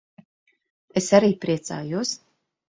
Es arī priecājos.